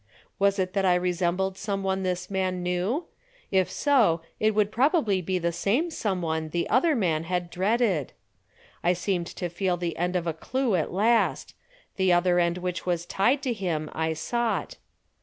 Was it that I resembled someone this man knew? If so, it would probably be the same someone the other man had dreaded. I seemed to feel the end of a clew at last, the other end which was tied to him I sought.